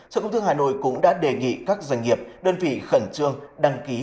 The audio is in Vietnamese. sở công thương hà nội cũng đã đề nghị các doanh nghiệp đơn vị khẩn trương đăng ký